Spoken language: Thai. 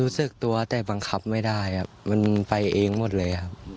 รู้สึกตัวแต่บังคับไม่ได้ครับมันไปเองหมดเลยครับ